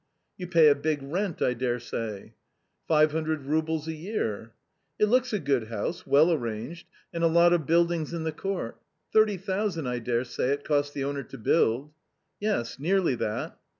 " You pay a big rent, I daresay ?"" Five hundred roubles a year." " It looks a good house, well arranged, and a lot of build ings in the court Thirty thousand, I daresay, it cost the owner to build." " Yes, nearly that."